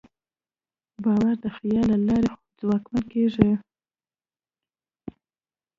باور د خیال له لارې ځواکمن کېږي.